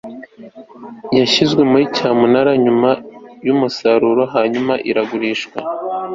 yashyizwe muri cyamunara nyuma yumusaruro hanyuma igurishwa